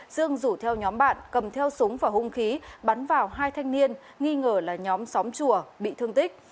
dương rủ theo nhóm bạn cầm theo súng và hung khí bắn vào hai thanh niên nghi ngờ là nhóm xóm chùa bị thương tích